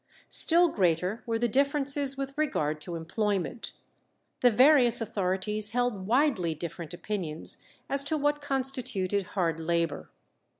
Still greater were the differences with regard to employment. The various authorities held widely different opinions as to what constituted hard labour.